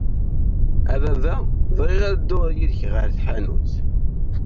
A baba, bɣiɣ ad dduɣ yid-k ɣer tḥanutt.